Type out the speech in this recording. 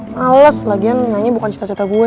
males lagian nyanyi bukan cita cita gue